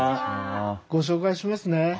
ご紹介しますね。